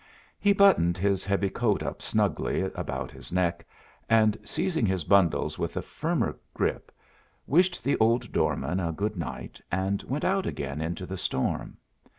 He buttoned his heavy coat up snugly about his neck, and, seizing his bundles with a firmer grip, wished the old doorman a good night, and went out again into the storm.